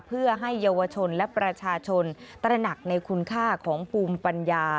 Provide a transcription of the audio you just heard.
เพื่อให้เยาวชนและประชาชนตระหนักในคุณค่าของภูมิปัญญา